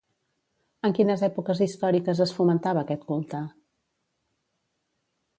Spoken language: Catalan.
En quines èpoques històriques es fomentava aquest culte?